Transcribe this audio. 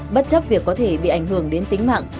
bất chấp việc có thể bị ảnh hưởng đến tính mạng